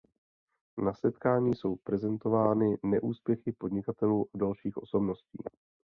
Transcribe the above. Na setkání jsou prezentovány neúspěchy podnikatelů a dalších osobností.